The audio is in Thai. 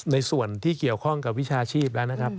ในส่วนที่เกี่ยวข้องกับวิชาชีพ